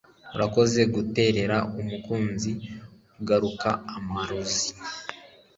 Urakoze guterera umukunzi ugaruka amarozi